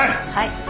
はい！